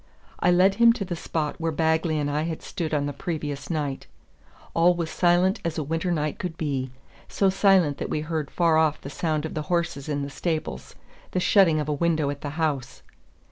I led him to the spot where Bagley and I had stood on the previous night. All was silent as a winter night could be, so silent that we heard far off the sound of the horses in the stables, the shutting of a window at the house.